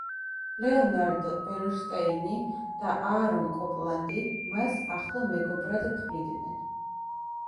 ლეონარდ ბერნშტეინი და აარონ კოპლანდი მას ახლო მეგობრად თვლიდნენ.